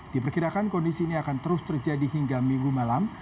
diperkirakan kondisi ini akan terus terjadi hingga minggu malam